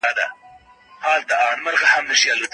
ایا د انسان حقوق په اوسني عصر کي خوندي دي؟